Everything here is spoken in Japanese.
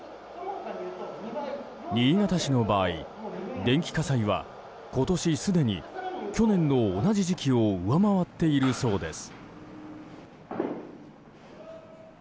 新潟市の場合、電気火災は今年すでに去年の同じ時期を上回っているそうです。